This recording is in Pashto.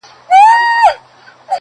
o پر ښايستوكو سترگو.